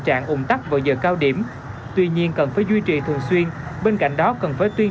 trạng ủng tắc vào giờ cao điểm tuy nhiên cần phải duy trì thường xuyên bên cạnh đó cần phải tuyên